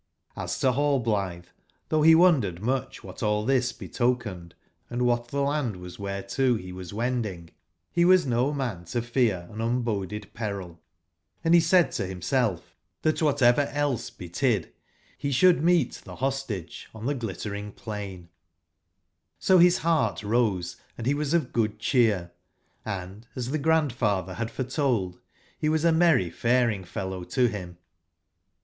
Hsto Rallblitbctbougbbewon deredmucbwbatalltbis betoken ed, & wbat tbe land was wbereto be was wending, be was no man to fear an unboded peril; and be said to bimself tbat whatever else be tid, he should meet the Hoetage on the Glittering plain ; so his heart rose and he was of good cheer, & as the Grandfather had foretold, he was a merry faring/fellow to him.